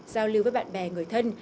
giao lưu với bạn bè người thân